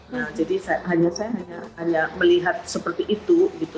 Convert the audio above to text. nah jadi saya hanya melihat seperti itu gitu